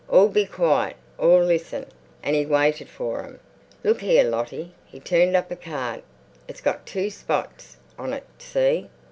"All be quiet! All listen!" And he waited for them. "Look here, Lottie." He turned up a card. "It's got two spots on it—see?